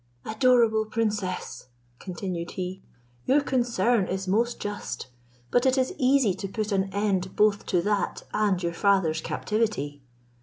"Adorable princess," continued he, "your concern is most just, but it is easy to put an end both to that and your father's captivity.